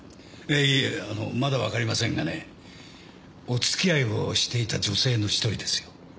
いいえまだわかりませんがねお付き合いをしていた女性の１人ですよ。